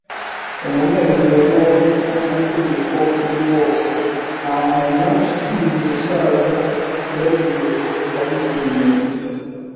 umunezero wari nkamategeko muri bose. Ntamuntu usibye umusaza Redruth wabitinyutse